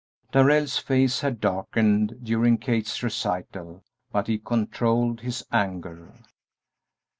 Darrell's face had darkened during Kate's recital, but he controlled his anger.